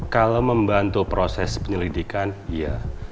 kalau membantu proses penyelidikan iya